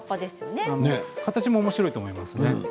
形もおもしろいと思います。